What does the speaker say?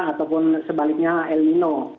ataupun sebaliknya el nino